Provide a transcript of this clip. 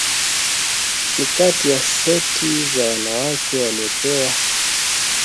ni kati ya seti za wanawake wanaopewa heshima na Wizara ya Mambo ya Nje ya Marekani